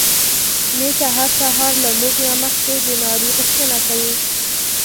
ميښه هر سهار له موږ نه مخکې د ناري غوښتنه کوي.